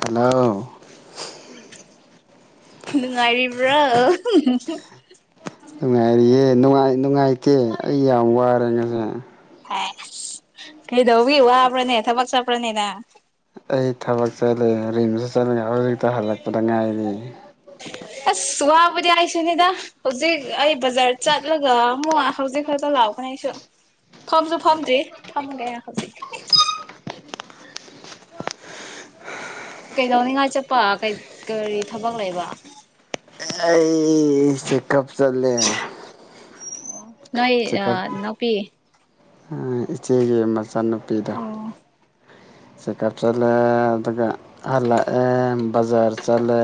Hello ꯅꯨꯡꯉꯥꯏꯔꯤꯕ꯭ꯔꯣ ꯅꯨꯡꯉꯥꯏꯔꯤꯌꯦ ꯅꯨꯡꯉꯥꯏ ꯅꯨꯡꯉꯥꯏꯇꯦ ꯑꯩ ꯌꯥꯝ ꯋꯥꯔꯦ ꯉꯁꯤ ꯑꯩꯗ꯭ꯁ ꯀꯩꯗꯧꯕꯒꯤ ꯋꯥꯕ꯭ꯔꯅꯦ ꯊꯕꯛ ꯆꯠꯄ꯭ꯔꯥꯅꯦ ꯅꯪ ꯑꯩ ꯊꯕꯛ ꯆꯠꯂꯦ ꯔꯤꯝꯁ ꯆꯠꯂꯒ ꯍꯧꯖꯤꯛꯇ ꯍꯜꯂꯛꯄꯗ ꯉꯥꯏꯔꯤ ꯑꯁ ꯋꯥꯍꯕꯨꯗꯤ ꯑꯩꯁꯨꯅꯤꯗ ꯍꯧꯖꯤꯛ ꯑꯩ ꯕꯖꯥꯔ ꯆꯠꯂꯒ ꯑꯃꯨꯛ ꯍꯧꯖꯤꯛ ꯈꯛꯇ ꯂꯥꯛꯄꯅꯦ ꯑꯩꯁꯨ ꯐꯝꯁꯨ ꯐꯝꯗ꯭ꯔꯤ ꯐꯝꯒꯦ ꯍꯧꯖꯤꯛ ꯀꯩꯗꯧꯅꯤꯡꯉꯥꯏ ꯆꯠꯄ ꯀꯔꯤ ꯊꯕꯛ ꯂꯩꯕ ꯑꯩꯁꯦ ꯆꯦꯛꯀꯞ ꯆꯠꯂꯦ [inaudible] ꯅꯣꯏ ꯑ ꯏꯅꯥꯎꯄꯤ ꯑ ꯏꯆꯦꯒꯤ ꯃꯆꯥ ꯃꯆꯥꯅꯨꯄꯤꯗꯣ ꯑꯣ ꯆꯦꯀꯞ ꯆꯠꯂꯦ ꯑꯗꯨꯒ ꯍꯟꯂꯛꯑꯦ ꯕꯖꯥꯔ ꯆꯠꯂꯦ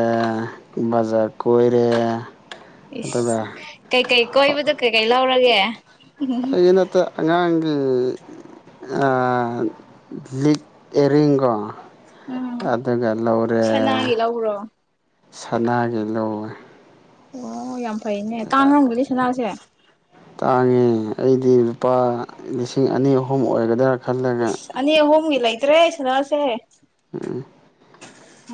ꯕꯖꯥꯔ ꯀꯣꯏꯔꯦ ꯏꯁ ꯑꯗꯨꯒ ꯀꯩ ꯀꯩ ꯀꯣꯏꯕꯗꯨ ꯀꯩ ꯀꯩ ꯂꯥꯎ ꯂꯧꯔꯒꯦ ꯑꯩꯒꯤ ꯅꯠꯇꯦ ꯑꯉꯥꯡ ꯑ ꯂꯤꯛ ꯑꯦꯌꯔ ꯔꯤꯡ ꯀꯣ ꯎꯝ ꯑꯗꯨꯒ ꯂꯧꯔꯦ ꯁꯅꯥꯒꯤ ꯂꯧꯕ꯭ꯔꯣ ꯁꯅꯥꯒꯤ ꯂꯧꯋꯦ ꯑꯣ ꯌꯥꯝ ꯐꯩꯅꯦ ꯀꯥꯡꯉꯝꯒꯅꯤ ꯁꯅꯥꯁꯦ ꯇꯥꯡꯉꯤ ꯑꯩꯗꯤ ꯂꯨꯄꯥ ꯂꯤꯁꯤꯡ ꯑꯅꯤ ꯑꯍꯨꯝ ꯑꯣꯏꯒꯗꯔꯥ ꯏꯁ ꯑꯅꯤ ꯑꯍꯨꯝꯒꯤ ꯂꯩꯇꯔꯦ ꯥꯁꯅꯥꯁꯦ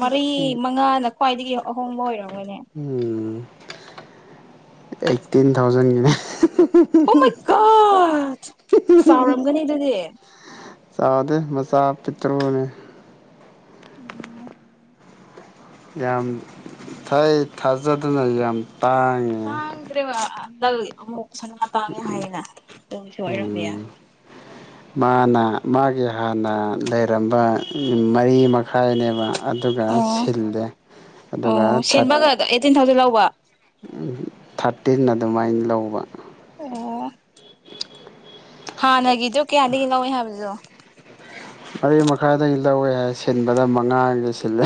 ꯃꯔꯤ ꯃꯉꯥꯅ ꯈ꯭ꯋꯥꯏꯗꯒꯤ ꯑꯍꯣꯡꯕ ꯑꯣꯏꯔꯣ ꯎꯝ ꯑꯥꯏꯠꯇꯤꯟ ꯊꯥꯎꯖꯟꯒꯤꯅꯦ ꯍꯨꯝ ꯍꯨꯝ ꯍꯨꯝ ꯑꯣ ꯃꯥꯏ ꯍꯨꯝ ꯍꯨꯝ ꯒꯣꯠ ꯍꯨꯝ ꯆꯥꯎꯔꯝꯒꯅꯤ ꯍꯨꯝ ꯑꯗꯨꯗꯤ ꯍꯨꯝ ꯆꯥꯎꯗꯦ ꯃꯆꯥ ꯄꯤꯛꯇ꯭ꯔꯨꯅꯦ ꯑꯣ ꯌꯥꯝ ꯊꯥꯏ ꯊꯥꯖꯗꯅ ꯌꯥꯝ ꯇꯥꯡꯉꯤꯅꯦ ꯇꯒꯤ ꯑꯃꯨꯛ ꯁꯅꯥ ꯇꯥꯡꯉꯦ ꯍꯥꯏꯌꯦꯅ ꯑꯗꯨꯒꯤꯁꯨ ꯑꯣꯏꯔꯝꯕ ꯌꯥꯏ ꯎꯝ ꯃꯥꯅ ꯃꯥꯒꯤ ꯍꯥꯟꯅ ꯂꯩꯔꯝꯕ ꯎꯝ ꯃꯔꯤꯃ ꯃꯈꯥꯏꯅꯦꯕ ꯑꯗꯨꯒ ꯑꯣ ꯁꯤꯜꯂꯦ ꯑꯗꯨꯒ ꯊꯥꯠ ꯋꯥ ꯎꯝ ꯊꯥꯔꯇꯤꯟ ꯑꯗꯨꯃꯥꯏꯅ ꯂꯧꯕ ꯑꯣ ꯍꯥꯟꯅꯒꯤ ꯗꯣ ꯀꯌꯥꯗꯒꯤ ꯂꯧꯋꯦ ꯍꯥꯏꯕꯅꯤꯗꯣ ꯃꯔꯤ ꯃꯈꯥꯏꯗꯒꯤ ꯂꯧꯋꯦ ꯍꯥꯏ ꯁꯤꯟꯕꯗ ꯃꯉꯥꯒꯤ ꯁꯤꯜꯂꯦ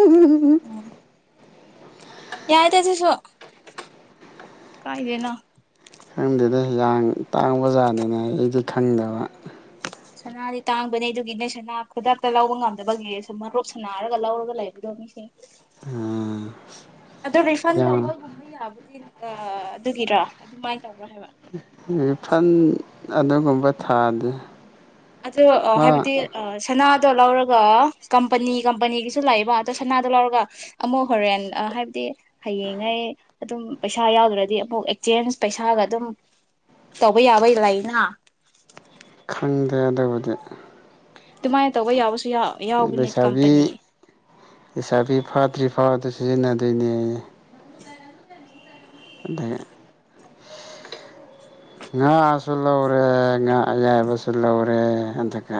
ꯎꯝ ꯍꯨꯝ ꯍꯨꯝ ꯌꯥꯏꯇ ꯁꯤꯁꯨ ꯀꯥꯏꯗꯩꯅꯣ ꯈꯪꯗꯦꯗ ꯌꯥꯡ ꯇꯥꯡꯕ ꯖꯥꯠꯅꯤꯅ ꯑꯩꯗꯤ ꯈꯪꯗꯕ ꯁꯅꯥꯗꯤ ꯇꯥꯡꯕꯅꯦ ꯑꯗꯨꯒꯤꯅꯦ ꯁꯅꯥ ꯈꯨꯗꯛꯇ ꯂꯧꯕ ꯉꯝꯗꯕꯒꯤ ꯁꯨꯝ ꯃꯔꯨꯞ ꯁꯅꯥꯔꯒ ꯂꯧꯔꯒ ꯂꯩꯕꯗꯣ ꯃꯤꯁꯤꯡ ꯑꯗꯨ ꯔꯤꯐꯟ ꯌꯥꯝ ꯇꯧꯕꯒꯨꯝꯕ ꯌꯥꯕꯗꯤ ꯑꯑ ꯑꯗꯨꯒꯤꯔ ꯑꯗꯨꯃꯥꯏ ꯔꯤꯐꯟ ꯑꯗꯨꯒꯨꯝꯕ ꯊꯥꯗꯦ ꯑꯆꯨ ꯃꯥ ꯍꯥꯏꯕꯗꯤ ꯁꯅꯥ ꯇꯣ ꯂꯧꯔꯒ ꯀꯝꯄꯅꯤ ꯀꯝꯄꯅꯤꯒꯤꯁꯨ ꯂꯥꯛꯑꯕ ꯑꯗꯣ ꯁꯅꯥꯗꯣ ꯂꯧꯔꯒ ꯑꯃꯨꯛ ꯍꯣꯔꯦꯟ ꯑꯥ ꯍꯥꯏꯕꯗꯤ ꯍꯌꯦꯡꯉꯩ ꯑꯗꯨꯝ ꯄꯩꯁꯥ ꯌꯥꯎꯗ꯭ꯔꯗꯤ ꯑꯃꯨꯛ ꯑꯦꯛꯆꯦꯟꯁ ꯄꯩꯁꯥꯒ ꯑꯗꯨꯝ ꯇꯧꯕ ꯌꯥꯕꯩ ꯂꯩꯅ ꯈꯪꯗꯦ ꯑꯗꯨꯕꯨꯗꯤ ꯑꯗꯨꯃꯥꯏꯅ ꯇꯧꯕ ꯌꯥꯕꯁꯨ ꯌꯥꯎꯕꯅꯦ ꯂꯩꯁꯥꯕꯤ ꯀꯝꯄꯅꯤ ꯂꯩꯁꯥꯕꯤ ꯐꯥꯗ꯭ꯔꯤ ꯐꯥꯎ ꯑꯗꯨ ꯁꯤꯖꯤꯟꯅꯗꯣꯏꯅꯦ ꯑꯩ ꯑꯗꯒꯤ ꯉꯥꯁꯨ ꯂꯧꯔꯦ ꯉꯥ ꯑꯌꯥꯏꯕꯁꯨ ꯂꯧꯔꯦ ꯑꯗꯨꯒ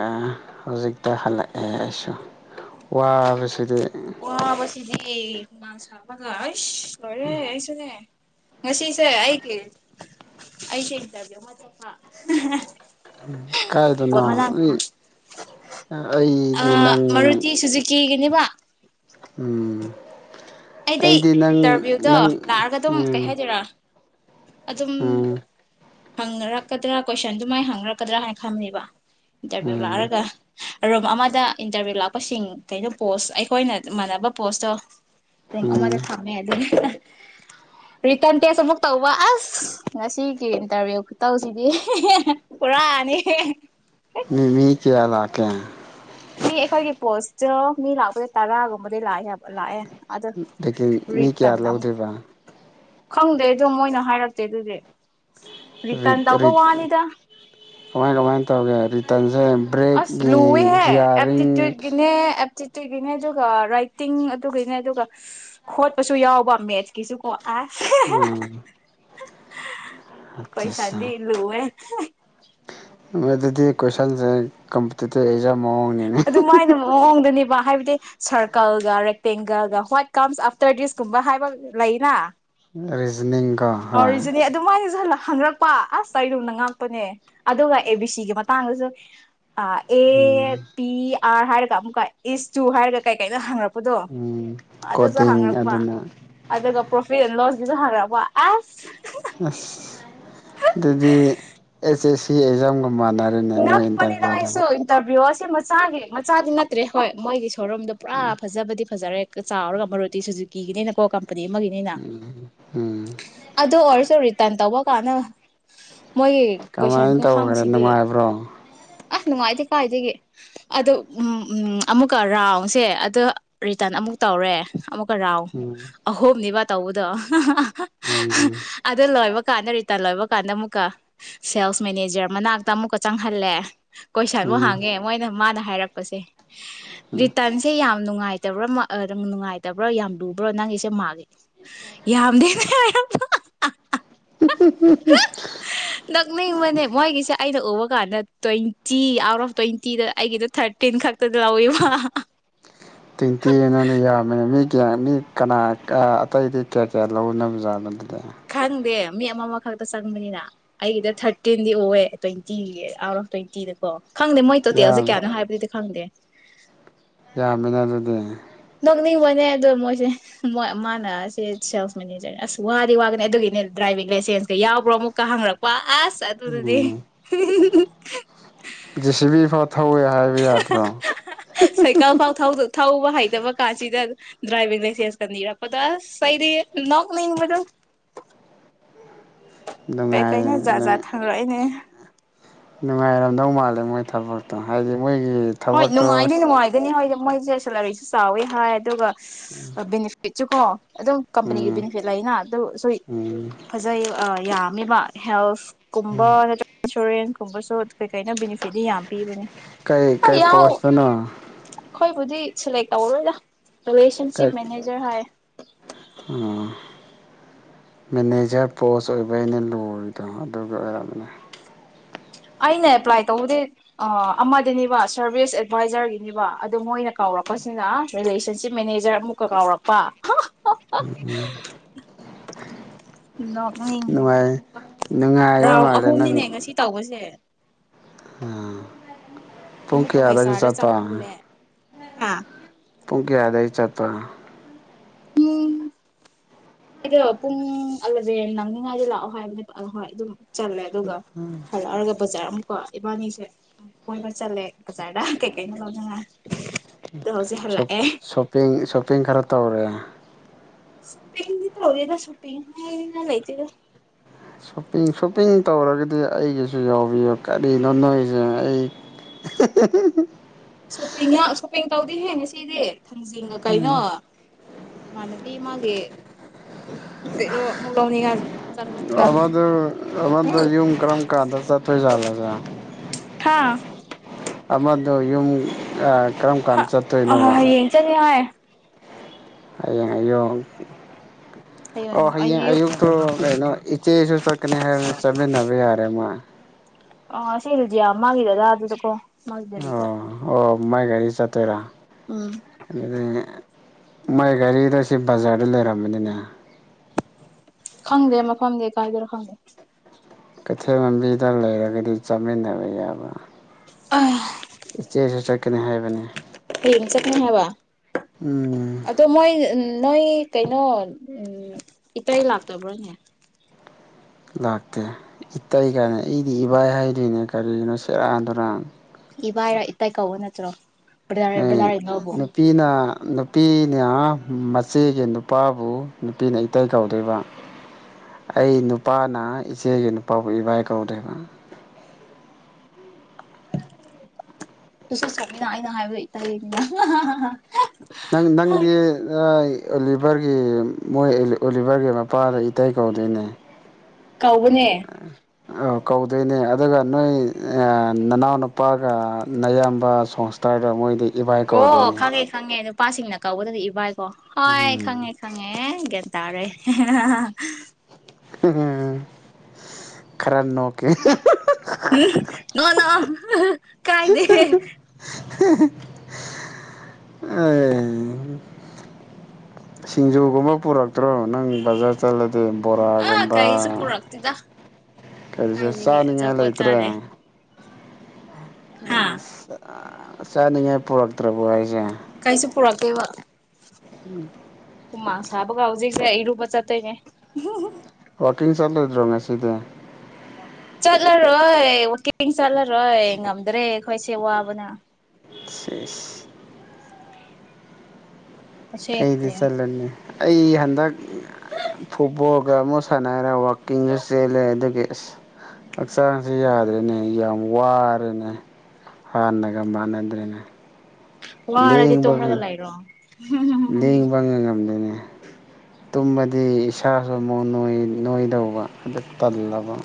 ꯍꯧꯖꯤꯛꯇ ꯍꯜꯂꯛꯑꯦ ꯑꯩꯁꯨ ꯋꯥꯕꯁꯤꯗꯤ ꯑꯣ ꯁꯤꯁꯤ ꯃꯥꯥꯡ ꯁꯥꯕꯒꯥꯏ ꯍꯣꯏꯔꯦ ꯍꯥꯏꯁꯅꯦ ꯉꯁꯤꯁꯦ ꯑꯩꯒꯤ ꯑꯩꯁꯦ ꯏꯕꯤ ꯑꯃ ꯆ ꯀꯥꯏꯗꯅꯣ ꯑ ꯑꯩꯗꯤ ꯅꯪ ꯃꯔꯨꯇꯤ ꯁꯨꯖꯤꯀꯤꯒꯤꯅꯦꯕ ꯎꯝ ꯑꯩꯗꯤ ꯏꯟꯇꯔꯚꯤꯌꯨꯗꯣ ꯅꯪ ꯂꯥꯛꯑꯒ ꯑꯗꯨꯝ ꯀꯩ ꯎꯝ ꯍꯥꯏꯗꯣꯏꯔ ꯑꯗꯨ ꯑꯗꯨꯝ ꯎꯝ ꯍꯪꯅꯔꯛꯀꯗ꯭ꯔꯥ ꯀꯣꯏꯁꯟꯗꯨꯃꯥꯏ ꯍꯪꯅꯔꯛꯀꯗ꯭ꯔꯥ ꯍꯥꯏꯅ ꯈꯝꯃꯦꯕ ꯏꯟꯇꯔꯚ꯭ꯌꯨ ꯎꯝ ꯂꯥꯔꯒ ꯔꯨꯝ ꯑꯃꯗ ꯏꯟꯇꯔꯚꯤꯌꯨ ꯂꯥꯛꯄꯁꯤꯡ ꯀꯩꯅꯣ ꯄꯣꯁ ꯑꯩꯈꯣꯏꯅ ꯃꯥꯟꯅꯕ ꯄꯣꯁꯇꯣ ꯔꯨꯝ ꯎꯝ ꯑꯃꯗ ꯊꯝꯃꯦꯅꯤ ꯔꯤꯇꯔꯟ ꯇꯦꯁ ꯑꯃꯨꯛ ꯇꯧꯕ ꯑꯁ ꯉꯁꯤꯒꯤ ꯏꯟꯇꯔꯚꯤꯌꯨꯛꯇꯧꯁꯤꯗꯤ ꯃꯤꯃꯤ ꯀꯌꯥꯂ ꯀꯦ ꯃꯤ ꯑꯩꯈꯣꯏꯒꯤ ꯄꯣꯁꯇꯣ ꯃꯤ ꯂꯥꯛꯄꯁ ꯇꯔꯥꯒꯨꯝꯕꯗꯤ ꯂꯥꯛꯑꯦꯕ ꯂꯥꯛꯑꯦ ꯑꯗꯣ ꯑꯗꯒꯤ ꯃꯤ ꯔꯤꯇꯟ ꯀꯌꯥ ꯑꯃꯨꯛ ꯂꯧꯗꯣꯏꯕ ꯈꯪꯗꯦ ꯑꯗꯨꯣ ꯃꯣꯏꯅ ꯍꯥꯏꯔꯛꯇꯦ ꯑꯗꯨꯗꯤ ꯔꯤꯇꯟ ꯇꯧꯕ ꯋꯥꯅꯤꯗ [unintelligible] ꯇꯟꯖ ꯑꯁ ꯕ꯭ꯔꯦꯛꯦꯛꯒꯤ ꯒꯌꯥꯔꯤꯡ ꯆꯤꯇ꯭ꯔꯤꯒꯤꯅꯦ ꯑꯗꯨꯒ ꯔꯥꯏꯇꯤꯡ ꯑꯗꯨꯒꯤꯅꯦ ꯑꯗꯨꯒ ꯈꯣꯠꯄꯁꯨ ꯌꯥꯎꯕ ꯃꯦꯠꯁꯀꯤꯁꯨ ꯀꯣ [inaudible] ꯎꯝ ꯀꯩꯁꯥꯟꯗꯤ ꯑꯠꯆꯥ ꯏ ꯂꯨꯦ [inaudible] ꯃꯣꯏ ꯑꯗꯨꯗꯤ ꯀꯣꯏꯁꯟꯁꯦ ꯀꯝꯄꯤꯇꯤꯇꯤꯞ ꯑꯦꯛꯖꯥꯝ ꯃꯑꯣꯡꯅꯤꯅꯦ ꯑꯗꯨ ꯃꯥꯏꯅ ꯃꯑꯣꯡꯗꯅꯦ ꯍꯥꯏꯕꯗꯤ ꯁꯔꯀꯜꯒ ꯔꯦꯛꯇꯦꯡꯒꯜꯒ ꯍꯋꯥꯏꯠ ꯀꯝꯁ ꯑꯥꯐꯇꯔ ꯗꯤꯁꯀꯨꯝꯕ ꯍꯥꯏꯕ ꯂꯩꯅ ꯔꯤꯖꯅꯤꯡ ꯑꯔꯤꯖꯅꯤ ꯑꯗꯨꯝ ꯃꯥꯥꯏꯖꯂ ꯍꯪꯉꯛꯄ ꯑꯁ ꯑꯩꯔꯨꯝꯗ ꯉꯥꯛꯄꯅꯦ ꯑꯗꯨꯒ ꯑꯦ ꯕꯤ ꯁꯤꯒꯤ ꯃꯇꯥꯡꯗꯁꯨ ꯑ ꯑꯦ ꯎꯝ ꯄꯤ ꯑꯥ ꯍꯥꯏꯔꯒ ꯑꯃꯨꯀꯥꯏ ꯏꯁ ꯆꯨ ꯍꯥꯏꯔꯒ ꯀꯩ ꯀꯩꯂꯣꯏ ꯍꯥꯡꯉꯛꯄꯗꯣ ꯎꯝ ꯑꯗꯨꯁꯨ ꯀꯣꯗꯤꯡ ꯍꯪꯉꯛꯄ ꯑꯗꯨꯅ ꯑꯗꯨꯒ ꯄ꯭ꯔꯣꯐꯤꯠ ꯂꯣꯁ [unintelligible] ꯑꯁ ꯑꯁ ꯗꯨꯗꯤ ꯑꯦꯁ ꯑꯦꯁ ꯁꯤ ꯑꯦꯖꯥꯝꯒꯨꯝ ꯃꯥꯟꯅꯔꯦꯅꯦ ꯃꯣꯏ ꯉꯛꯄꯅꯤꯗ ꯏꯟꯇꯔꯚꯤꯑꯗꯨꯝ ꯑꯩꯁꯨ ꯏꯟꯇꯔꯚꯤꯌꯨ ꯑꯁꯤ ꯃꯆꯥꯒꯤ ꯃꯆꯥꯗꯤ ꯅꯠꯇ꯭ꯔꯦ ꯍꯣꯏ ꯃꯣꯏꯒꯤꯁꯨ ꯊꯧꯔꯝꯗꯣ ꯄꯨꯔꯥ ꯐꯖꯕꯗꯤ ꯐꯖꯔꯦ ꯀ ꯆꯥꯎꯔ ꯕꯔꯨꯇꯤ ꯁꯨꯖꯨꯀꯤꯒꯤꯅꯦꯅꯀꯣ ꯀꯝ ꯄꯗꯤ ꯑꯃꯒꯤꯅꯤꯅ ꯎꯝ ꯑꯗꯨ ꯑꯣꯏꯔꯁꯨ ꯔꯤꯇꯔꯟ ꯇꯧꯕ ꯀꯅ ꯀꯃꯥꯏꯅ ꯇꯧꯈ꯭ꯔꯦꯅꯣ ꯅꯨꯡꯉꯥꯏꯕ꯭ꯔꯣ ꯑꯁ ꯅꯨꯡꯉꯥꯏꯇꯦ ꯀꯥꯏꯗꯒꯤ ꯑꯗꯨ ꯑꯝ ꯑꯝ ꯑꯃꯨꯛꯀ ꯔꯥꯎꯟꯁꯦ ꯑꯗ ꯔꯤꯇꯟ ꯑꯃꯨꯛ ꯇꯧꯔꯦ ꯑꯃꯨꯛ ꯥꯀꯔꯥꯎ ꯎꯝ ꯑꯍꯣꯝꯅꯤꯕ ꯇꯧꯕꯗꯣ ꯍꯍ ꯎꯝ ꯑ ꯑꯗ ꯂꯣꯏꯕ ꯀꯥꯟꯗ ꯔꯤꯇꯜ ꯂꯣꯏꯕ ꯀꯥꯟꯗ ꯑꯃꯨꯛꯀ ꯁꯦꯜꯁ ꯃꯦꯅꯦꯖꯔ ꯃꯅꯥꯛꯇ ꯑꯃꯨꯛꯀ ꯆꯪꯍꯜꯂꯦ ꯀꯣꯏꯁꯜꯕꯨ ꯎꯝ ꯍꯥꯡꯉꯦ ꯃꯣꯏꯅ ꯃꯥꯅ ꯍꯥꯏꯔꯛꯄꯁꯦ ꯔꯤꯇꯟꯁꯦ ꯌꯥꯝ ꯅꯨꯡꯉꯥꯏꯇꯕ꯭ꯔꯥ ꯃ ꯑꯗꯨꯝ ꯅꯨꯡꯉꯥꯏꯇꯕ꯭ꯔ ꯌꯥꯝ ꯂꯨꯕ꯭ꯔꯣ ꯅꯪꯒꯤꯁꯦ ꯃꯥꯂꯤ ꯌꯥꯝꯗꯦꯅꯦ ꯅꯛꯅꯤꯡꯕꯅꯦ ꯃꯣꯏꯒꯤꯁꯦ ꯑꯩꯅ ꯎꯕ ꯅ ꯅꯠꯇꯣꯏꯟ ꯆꯤ ꯑꯥꯎꯠ ꯑꯣꯐ ꯇ꯭ꯋꯦꯟꯇꯤꯗ ꯑꯩꯒꯤꯗꯣ ꯊꯥꯔꯇꯤꯟ ꯈꯛꯇꯗ ꯂꯧꯏ ꯋꯥ ꯇꯣꯏꯟꯇꯤ ꯑꯅꯅꯦ ꯌꯥꯝꯃꯦ ꯍꯥꯏꯃꯤ ꯄꯤꯌꯥꯔꯃꯤ ꯀꯅꯥ ꯑ ꯑꯇꯩꯗꯤ ꯀꯌꯥ ꯀꯌꯥ ꯂꯧꯅꯕ ꯖꯥꯠꯅꯣ ꯑꯗꯨꯗ ꯈꯪꯗꯦ ꯃꯤ ꯑꯃꯃꯈꯛꯇ ꯆꯪꯕꯅꯤꯅ ꯑꯩꯒꯤꯗ ꯊꯥꯔꯇꯤꯟꯗꯤ ꯎꯋꯦ ꯇ꯭ꯋꯦꯟꯇꯤ ꯑꯥꯎꯠ ꯑꯣꯐ ꯇ꯭ꯋꯦꯟꯇꯤꯗꯀꯣ ꯈꯪꯗꯦ ꯃꯣꯏ ꯇꯣꯇꯦꯜꯁꯦ ꯌꯥꯝ ꯀꯌꯥꯅꯣ ꯍꯥꯏꯕꯗꯨꯗꯤ ꯈꯪꯗꯦ ꯌꯥꯝꯃꯦꯅꯦ ꯑꯗꯨꯗꯤ ꯅꯣꯛꯅꯤꯡꯕꯅꯦ ꯑꯗꯣ ꯃꯣꯏꯁꯦ ꯃꯣꯏ ꯃꯥꯅ ꯑꯁꯦ ꯁꯦꯜꯁ ꯃꯦꯅꯦꯖꯔꯅꯦ ꯑꯁ ꯋꯥꯗꯤ ꯋꯥꯒꯅꯤ ꯑꯗꯨꯒꯤꯅꯦ ꯗ꯭ꯔꯥꯏꯚꯤꯡ ꯂꯥꯏꯁꯦꯟꯁꯀ ꯌꯥꯎꯕ꯭ꯔꯣ ꯑꯃꯨꯛꯀ ꯍꯪꯔꯛꯄ ꯑꯁ ꯆ ꯑꯗꯨꯗꯨꯗꯤ ꯍ ꯖꯦꯁꯤꯕꯤ ꯐꯥꯎꯠ ꯊꯧꯋꯦ ꯍꯥꯏꯕ ꯌꯥꯗ꯭ꯔꯣ ꯁꯥꯏꯀꯜ ꯐꯥꯎ [unintelligible] ꯊꯧꯕ ꯍꯧꯇꯕꯀꯥꯟꯁꯤꯗ ꯗ꯭ꯔꯥꯕꯤꯡ ꯂꯥꯏꯁꯦꯟꯁ ꯀ ꯅꯤꯔꯛꯄꯗꯣ ꯑꯁ ꯑꯩꯗꯤ ꯅꯣꯛꯅꯤꯡꯕꯗ ꯀꯩꯀꯩꯅꯣ ꯅꯨꯡꯉꯥꯏ ꯖꯥꯠ ꯖꯥꯠ ꯊꯒꯂꯛꯏꯅꯦ ꯅꯨꯡꯉꯥꯏꯔꯝꯗꯧ ꯃꯥꯜꯂꯦ ꯃꯣꯏ ꯊꯥꯕꯛꯇꯣ ꯍꯥꯏꯗꯤ ꯃꯣꯏꯒꯤ ꯍꯣꯏ ꯊꯕꯛꯇꯣ ꯅꯨꯡꯉꯥꯏꯅꯤ ꯅꯨꯡꯉꯥꯏꯒꯅꯤ ꯍꯣꯒ ꯃꯣꯏꯁꯦ ꯁꯦꯂꯔꯤꯁꯦ ꯆꯥꯎꯋꯤ ꯍꯥꯏ ꯑꯗꯨꯒ ꯑꯁ ꯑꯗꯨꯅꯤ [unintelligible] ꯆꯀꯣ ꯑꯗꯨꯝ ꯀꯝꯄꯅꯤꯒꯤ ꯎꯝ ꯕꯤꯅꯤꯐꯤꯠ ꯂꯩꯅ ꯑꯗꯨꯁꯨ ꯎꯝ ꯐꯖꯩ ꯑ ꯌꯥ ꯕꯤꯕ ꯍꯦꯜꯁ ꯀꯨꯝꯕ ꯅꯠꯇ꯭ꯔ ꯏꯟꯁꯨꯔꯦꯟꯁ ꯀꯨꯝꯕꯁꯨ ꯀꯩ ꯀꯩꯅꯣ ꯕꯤꯅꯤꯐꯤꯠꯤ ꯌꯥꯝ ꯄꯤꯕꯅꯤ ꯀꯩ ꯀꯩ ꯄꯣꯁꯇꯅꯣ ꯑꯩꯈꯣꯏꯕꯨꯗꯤ ꯁꯦꯂꯦꯛ ꯇꯧꯔꯣꯏꯗ ꯔꯤꯂꯦꯁꯟꯁꯤꯞ ꯀꯩ ꯃꯦꯅꯦꯖꯔ ꯍꯥꯏꯌꯦ ꯃꯦꯅꯦꯖꯔ ꯄꯣꯁ ꯑꯣꯏꯕ ꯅꯤ ꯂꯨꯔꯤꯗꯣ ꯑꯗꯨꯒꯤ ꯑꯣꯏꯔꯝꯃꯤꯅꯦ ꯑꯩꯅ ꯑꯦꯄ꯭ꯂꯥꯏ ꯇꯧꯕꯗꯤ ꯑꯃꯗꯅꯦꯕ ꯁꯔꯚꯤꯁ ꯑꯦꯗꯚꯥꯏꯖꯔꯒꯤꯅꯦꯕ ꯑꯗꯨ ꯃꯣꯏꯅ ꯀꯧꯔꯛꯄꯁꯤꯅ ꯔꯤꯂꯦꯁꯟꯁꯤꯞ ꯃꯦꯅꯦꯖꯔ ꯑꯃꯨꯛꯀ ꯀꯧꯔꯛꯄ ꯎꯝ ꯎꯝ ꯅꯣꯛꯅꯤꯡꯕꯗꯣ ꯅꯨꯡꯉꯥꯏ ꯑꯃꯨꯛꯀ ꯅꯨꯡꯉꯥꯏꯔ ꯔꯥꯎꯟ ꯃꯥꯜꯂꯦ ꯅꯪ ꯑꯍꯨꯝꯅꯤꯅꯦ ꯉꯁꯤ [inaudible] ꯑꯥ ꯄꯨꯡ ꯑꯃꯨꯛꯀ ꯀꯌꯥꯗꯒꯤ ꯆꯥꯠꯇꯣꯏꯅꯣ ꯍꯥꯥ ꯄꯨꯡ ꯀꯌꯥꯗꯩ ꯆꯠꯇꯣꯏꯅꯣ ꯄꯨꯡ [unintelligible] ꯄꯨꯡ ꯑꯦꯂꯚꯦꯟ ꯅꯪꯅꯤꯉꯥꯏꯗ ꯂꯥꯛꯑꯣ ꯍꯥꯏꯕꯅꯦ ꯍꯣꯏ ꯑꯗꯨꯝ ꯆꯠꯂꯦ ꯑꯗꯨꯒ ꯍꯜꯂꯛꯑꯒ ꯕꯖꯥꯔ ꯑꯃꯨꯛ ꯀꯣ ꯏꯕꯥꯅꯤꯁꯦ ꯀꯣꯏꯕ ꯆꯠꯂꯦ ꯕꯖꯥꯔꯗ ꯀꯩꯀꯩꯅꯣ ꯂꯧꯗꯅ ꯈꯣꯏ ꯍꯧꯖꯤꯛ ꯁꯣꯞ ꯍꯜꯂꯛꯑꯦ ꯁꯣꯞꯄꯤꯡ ꯁꯣꯞꯄꯤꯡ ꯈꯔ ꯇꯧꯔꯦ ꯁꯣꯄꯤꯡ ꯗꯤ ꯇꯧꯗꯦꯗ ꯁꯣꯄꯤꯡ ꯍꯥꯏꯗꯅ ꯂꯩꯇꯗ ꯁꯣꯄꯤꯡ ꯁꯣꯄꯤꯡ ꯇꯧꯔꯒꯗꯤ ꯑꯩꯒꯤꯁꯨ ꯌꯥꯎꯕꯤꯌꯨ ꯀꯔꯤꯅꯣ ꯅꯣꯏꯁꯦ ꯑꯩ [unintelligible] ꯁꯣꯄꯤꯡꯂꯣ ꯁꯣꯞꯄꯤꯡ ꯇꯧꯗꯦꯍꯦ ꯉꯁꯤꯗꯤ ꯊꯥꯡꯖꯤꯡꯒ ꯀꯩꯅꯣ ꯏꯃꯥꯟꯅꯕꯤ ꯑꯃꯥ ꯊꯦ ꯆꯠꯄꯅꯤꯗ ꯑꯃꯗꯨ ꯑꯃꯗꯨ ꯌꯨꯝ ꯀꯔꯝ ꯀꯥꯟꯗ ꯆꯠꯇꯣꯏꯖꯥꯠꯅꯣ ꯑꯗꯨꯅ [inaudible] ꯑꯃꯗ ꯌꯨꯝ ꯑ ꯍꯥ ꯑ ꯍꯌꯦꯡ ꯆꯠꯅꯤ ꯍꯥꯏ꯫ ꯍꯌꯦꯡ ꯌꯣ ꯑꯣ ꯍꯌꯦꯡ ꯑꯌꯨꯛꯇꯨ ꯀꯩꯅꯣ ꯏꯆꯦꯖꯨ ꯆꯠꯀꯅꯤ ꯍꯥꯏꯕꯅꯤ ꯆꯠꯃꯤꯟꯅꯕ ꯌꯥꯔꯦ ꯃꯥ꯫ ꯑ ꯑꯁꯤ ꯔꯤꯖꯤꯌꯥ ꯃꯥꯒꯤ [unintelligible] ꯑꯗꯨꯗꯀꯣ꯫ ꯑ ꯑꯣ꯫ ꯃꯥꯏ ꯒꯥꯔꯤ ꯆꯠꯇꯣꯏꯔꯥ꯫ ꯎꯝ ꯑꯗꯨꯗꯒꯤ ꯃꯥꯏ ꯒꯥꯔꯤꯗ ꯁꯤ ꯕꯖꯥꯔꯗ ꯂꯩꯔꯝꯕꯅꯤꯅꯦ꯫ ꯈꯪꯗꯦ ꯃꯐꯝꯗꯤ ꯀꯥꯏꯗꯔ ꯈꯪꯗꯦ꯫ ꯀꯩꯊꯦꯜ ꯂꯝꯕꯤꯗ ꯂꯩꯔꯒꯗꯤ ꯆꯠꯃꯤꯟꯅꯕ ꯌꯥꯕ꯫ [unintelligible] [unintelligible] ꯏꯆꯦꯁꯨ ꯆꯠꯀꯅꯤ ꯍꯥꯏꯕꯅꯦ꯫ ꯍꯌꯦꯡ ꯆꯠꯀꯅꯤ ꯍꯥꯏꯕ ꯎꯝ ꯑꯗꯣ ꯃꯣꯏ ꯅꯣꯏ ꯀꯩꯅꯣ ꯎꯝ ꯏꯇꯩ ꯂꯥꯛꯇꯕ꯭ꯔꯣꯅꯦ꯫ ꯂꯥꯛꯇꯦ ꯏꯇꯩ ꯀꯥꯏꯅ ꯑꯩꯗꯤ ꯏꯕꯥꯏ ꯍꯥꯏꯗꯣꯏꯅꯦ ꯀꯔꯤꯒꯤꯅꯣ ꯁꯦꯔꯥꯟ ꯇꯨꯔꯥꯟ꯫ ꯏꯕꯥꯏꯔ ꯏꯇꯩ ꯀꯧꯕ ꯅꯠꯇ꯭ꯔꯣ꯫ ꯕ꯭ꯔꯗꯔ ꯑꯦ ꯕ꯭ꯔꯗꯔ ꯏꯟ ꯂꯣꯕꯨ ꯅꯨꯄꯤꯅ ꯅꯨꯄꯤꯅ ꯃꯆꯦꯒꯤ ꯅꯨꯄꯥꯕꯨ ꯅꯨꯄꯤꯅ ꯏꯇꯩ ꯀꯧꯗꯏꯕ ꯑꯩ ꯅꯨꯄꯥꯅ ꯏꯆꯦꯒꯤ ꯅꯨꯄꯥꯕꯨ ꯏꯕꯥꯏ ꯀꯧꯗꯣꯏꯕ꯫ ꯏꯁ ꯏꯁ ꯆꯨꯝꯃꯤꯅ ꯑꯩꯅ ꯍꯥꯏ ꯏꯇꯩ ꯅꯪ ꯅꯪꯗꯤ ꯑ ꯑꯣꯂꯤꯚꯔꯒꯤ ꯃꯣꯏ ꯑꯣꯂꯤꯚꯔꯒꯤ ꯃꯄꯥꯗ ꯏꯇꯩ ꯀꯧꯗꯣꯏꯅꯦ꯫ ꯀꯧꯕꯅꯦ꯫ ꯀꯧꯗꯣꯏꯅꯦ ꯑꯗꯨꯒ ꯅꯣꯏ ꯅꯅꯥꯎꯅꯨꯄꯥꯒ ꯅꯌꯥꯝꯕ ꯁꯣꯡꯁꯇꯔꯗ ꯃꯣꯏꯗꯤ ꯏꯕꯥꯏ ꯑꯣ ꯀꯧꯗꯣꯏꯅꯦ ꯈꯪꯉꯦ ꯈꯪꯉꯦ꯫ ꯅꯨꯄꯥꯁꯤꯡꯅ ꯀꯧꯒꯕꯗꯗꯤ ꯏꯕꯥꯢ ꯍꯣꯏ ꯎꯝ ꯈꯉꯦ ꯈꯉꯦ ꯑꯦ ꯒꯌꯥꯟ ꯇꯥꯔꯦ [unintelligible] ꯈꯔ ꯅꯣꯛꯀꯦ [unintelligible] ꯎꯝ ꯅꯣꯛꯑꯣ ꯅꯣꯛꯑꯣ ꯀꯥꯏꯗꯦ꯫ [unintelligible] ꯁꯤꯡꯖꯨꯒꯨꯝꯕ ꯄꯨꯔꯛꯇ꯭ꯔꯣ ꯅꯪ ꯕꯖꯥꯔ ꯆꯠꯂ ꯑꯗꯩ ꯑꯥ ꯕꯣꯔꯥꯒꯨꯝꯕ ꯀꯩꯁꯨ ꯄꯨꯔꯛꯇꯦꯗ ꯀꯔꯤꯁꯨ ꯀꯥꯏꯗꯒꯤ ꯆꯥꯅꯤꯡꯉꯥꯏ ꯑꯆꯥꯄꯣꯠ ꯂꯩꯇ꯭ꯔꯦ꯫ ꯆꯥꯗꯦ [unintelligible] ꯍꯥ [unintelligible] ꯆꯥꯅꯤꯡꯉꯥꯏ ꯄꯨꯔꯛꯇ꯭ꯔꯕꯣ ꯍꯥꯏꯖ ꯀꯩꯁꯨ ꯄꯨꯔꯛꯇꯦꯕꯣ꯫ ꯍꯨꯃꯥꯡ ꯁꯥꯕꯒ ꯍꯧꯖꯤꯛꯁꯦ ꯑꯩꯔꯨꯕ ꯆꯠꯇꯣꯏꯅꯦ ꯋꯥꯀꯤꯡ ꯆꯠꯂꯗ꯭ꯔꯣ ꯉꯦꯁꯤꯗꯤ ꯆꯠꯂꯔꯣꯏ ꯋꯀꯤꯡ ꯆꯠꯂꯔꯣꯏ ꯉꯝꯗ꯭ꯔꯦ ꯑꯩꯈꯣꯏꯁꯦ ꯋꯥꯕꯅ ꯁꯦꯁ ꯑꯁꯦꯡ ꯑꯩꯗꯤ ꯆꯂꯅꯤ ꯑꯩ ꯍꯟꯗꯛ ꯐꯨꯠꯕꯣꯜꯒ ꯑꯃꯨꯛ ꯁꯥꯟꯅꯔꯦ ꯋꯥꯛꯀꯤꯡꯁꯨ ꯆꯦꯜꯂꯦ ꯑꯗꯨꯒꯤ ꯑ ꯍꯛꯆꯥꯡꯁꯨ ꯌꯥꯗ꯭ꯔꯦꯅꯦ ꯌꯥꯝ ꯋꯥꯔꯦꯅꯦ ꯍꯥꯟꯅꯒ ꯃꯥꯟꯅꯗ꯭ꯔꯦꯅꯦ ꯋꯥꯔꯗꯤ ꯂꯦꯡꯕ ꯇꯣꯡꯉꯡꯂꯒ ꯂ ꯍꯥꯏꯔꯣ ꯍ ꯂꯦꯡꯕ ꯉꯉꯝꯗꯣꯏꯅꯦ ꯇꯨꯝꯃꯗꯤ ꯏꯁꯥꯁꯨ ꯑꯃꯨꯛ ꯅꯣꯏꯗꯧꯕ ꯑꯗꯨ ꯇꯜꯂꯕ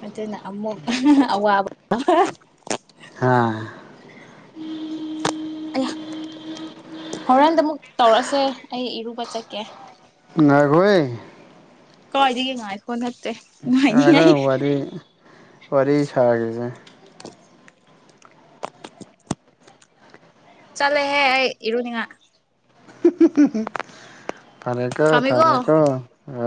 ꯃꯅ ꯑꯃ ꯑ ꯍꯥꯥ ꯑꯩ ꯍꯣꯔꯦꯟꯗ ꯑꯃꯨꯛ ꯇꯧꯔꯛꯁꯦ ꯑꯩ ꯏꯔꯨꯕ ꯆꯠꯀꯦ ꯉꯈꯣꯏ ꯀꯣꯗꯤꯒꯦ ꯉꯥꯏ ꯐꯣꯟ ꯑꯒ ꯋꯥꯔꯤ ꯋꯥꯔꯤ ꯁꯥꯒꯁ ꯆꯂꯦ ꯍꯦ ꯏꯔꯅꯤꯉ [inaudible] ꯊꯔꯦ ꯀꯣ ꯊꯝꯃꯦꯀꯣ ꯊꯃꯦꯀꯣ ꯑ